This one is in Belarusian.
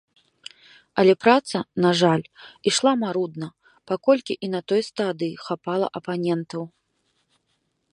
Але праца, на жаль, ішла марудна, паколькі і на той стадыі хапала апанентаў.